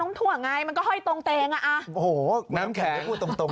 ก็ตามแรงน้มถั่วไงมันก็ห้อยตรงเตงอะ